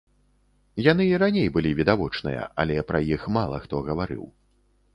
Яны і раней былі відавочныя, але пра іх мала хто гаварыў.